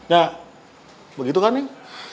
ya begitu kan neng